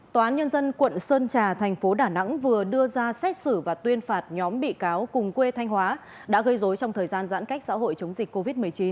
tòa án nhân dân quận sơn trà thành phố đà nẵng vừa đưa ra xét xử và tuyên phạt nhóm bị cáo cùng quê thanh hóa đã gây dối trong thời gian giãn cách xã hội chống dịch covid một mươi chín